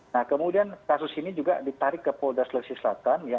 nah kemudian kasus ini juga ditarik ke polda sulawesi selatan ya